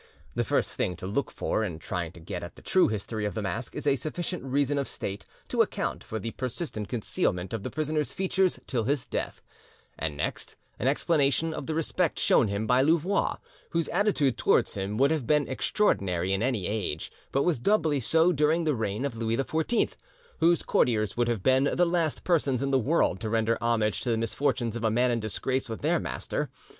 The first thing to look for in trying to get at the true history of the Mask is a sufficient reason of state to account for the persistent concealment of the prisoner's features till his death; and next, an explanation of the respect shown him by Louvois, whose attitude towards him would have been extraordinary in any age, but was doubly so during the reign of Louis XIV, whose courtiers would have been the last persons in the world to render homage to the misfortunes of a man in disgrace with their master.